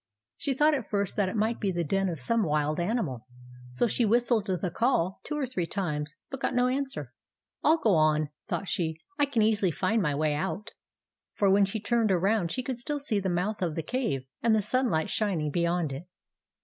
She thought at first that it might be the den of some wild animal ; so she whistled the Call two or three times, but got no answer. " I '11 go on," thought she. ■" I can easily find my way out ;" for when she turned around she could still see the mouth of the cave, and the sunlight shining beyond it.